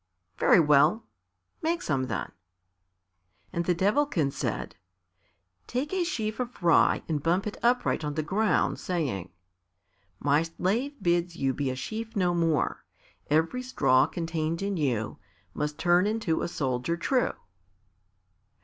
"Very well; make some, then." And the Devilkin said, "Take a sheaf of rye and bump it upright on the ground, saying, My slave bids you be a sheaf no more. Every straw contained in you, Must turn into a soldier true."